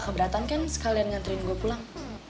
keberatan kan sekalian ngantriin gue pulang